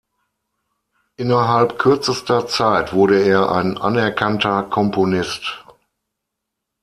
Innerhalb kürzester Zeit wurde er ein anerkannter Komponist.